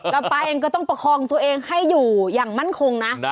แล้วป๊าเองก็ต้องประคองตัวเองให้อยู่อย่างมั่นคงนะ